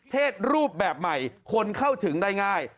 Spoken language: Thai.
เทศรูปแบบใหม่คนเข้าถึงได้ง่าย